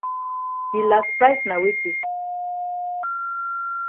Yi las price na weti?